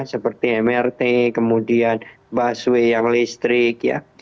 seperti mrt kemudian busway yang listrik ya